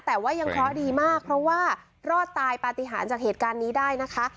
แต่ว่ายังเคราะห์ดีมากเพราะว่ารอดตายปฏิหารจากเหตุการณ์นี้ได้นะคะ